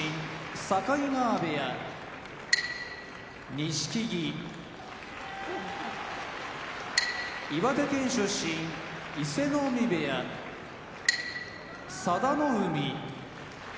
境川部屋錦木岩手県出身伊勢ノ海部屋佐田の海